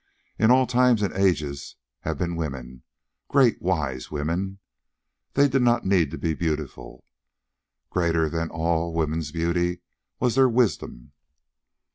In all times and ages have been women, great wise women. They did not need to be beautiful. Greater than all woman's beauty was their wisdom.